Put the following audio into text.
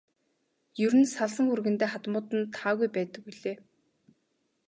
Ер нь салсан хүргэндээ хадмууд нь таагүй байдаг билээ.